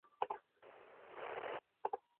关内车站的铁路车站。